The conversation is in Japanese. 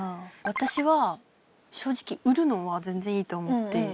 私は正直売るのは全然いいと思って。